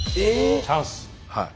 チャンス！